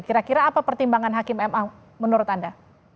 kira kira apa pertimbangan hakim ma menurut anda